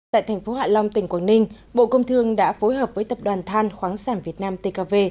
tại thành phố hạ long tỉnh quảng ninh bộ công thương đã phối hợp với tập đoàn than khoáng sản việt nam tkv